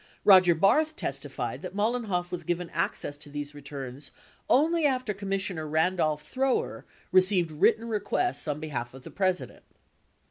Roger Barth testified that Mollenhoff was given access to these returns only after Commissioner Randolph Thrower received written requests on behalf of the President.